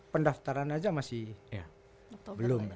pendaftaran aja masih belum